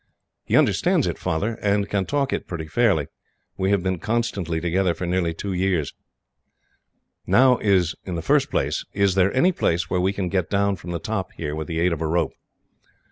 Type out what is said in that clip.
"He understands it, Father, and can talk it pretty fairly. We have been constantly together for nearly two years. "Now, in the first place, is there any place where we can get down from the top here, with the aid of a rope?"